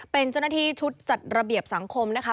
เป็นเจ้าหน้าที่ชุดจัดระเบียบสังคมนะคะ